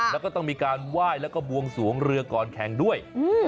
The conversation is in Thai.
แล้วก็ต้องมีการไหว้แล้วก็บวงสวงเรือก่อนแข่งด้วย